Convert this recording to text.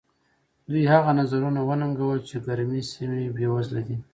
دوی هغه نظریه وننګوله چې ګرمې سیمې بېوزله دي.